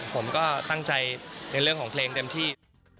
ผมก็ตั้งใจในเรื่องของเพลงเต็มที่